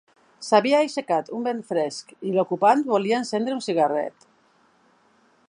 S'havia aixecat un vent fresc i l'ocupant volia encendre un cigarret.